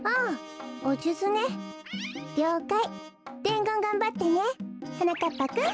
でんごんがんばってねはなかっぱくん。